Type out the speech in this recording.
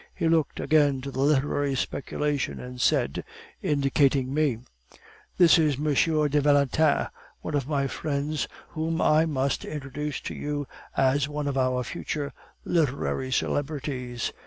He looked again to the literary speculation, and said, indicating me: "'This is M. de Valentin, one of my friends, whom I must introduce to you as one of our future literary celebrities.